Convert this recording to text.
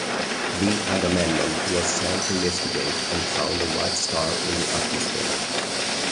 The "Agamemnon" was sent to investigate, and found the "White Star" in the atmosphere.